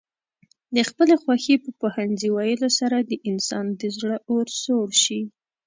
د خپلې خوښې په پوهنځي ويلو سره د انسان د زړه اور سوړ شي.